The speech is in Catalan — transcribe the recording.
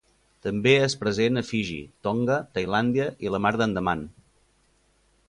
També és present a Fiji, Tonga, Tailàndia i la Mar d'Andaman.